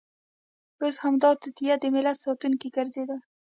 اوس همدا توطیه د ملت ساتونکې ګرځېدلې.